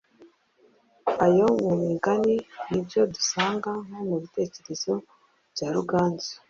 ayo mu migani. Nibyo dusanga nko mu bitekerezo bya Ruganzu